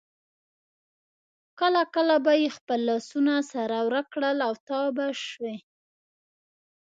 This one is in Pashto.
کله کله به یې خپل لاسونه سره ورکړل او تاو به شوې.